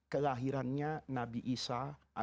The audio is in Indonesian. kelahirannya nabi isa